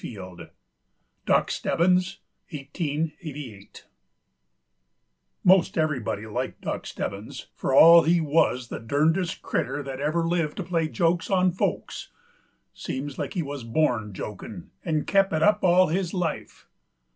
1889 +DOCK STEBBINS+ DOCK STEBBINS Most everybody liked Dock Stebbins, fur all he wuz the durnedest critter that ever lived to play jokes on folks! Seems like he wuz born jokin' 'nd kep' it up all his life.